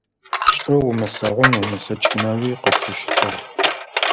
ШӀу умылъэгъун умылъэкӀынэуи къытфыщытыгъ.